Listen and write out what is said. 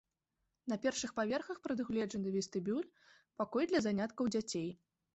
На першых паверхах прадугледжаны вестыбюль, пакой для заняткаў дзяцей.